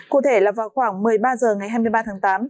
cụ thể là vào khoảng một mươi ba h ngày hai mươi ba tháng tám